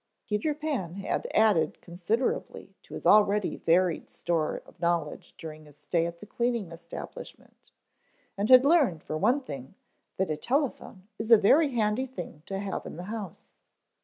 Peter Pan had added considerably to his already varied store of knowledge during his stay at the cleaning establishment, and had learned, for one thing, that a telephone is a very handy thing to have in the house.